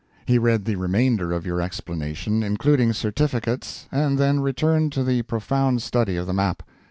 He read the remainder of your explanation, including certificates, and then returned to the profound study of the map.